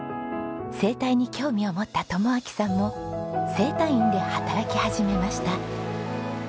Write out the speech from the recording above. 整体に興味を持った友晃さんも整体院で働き始めました。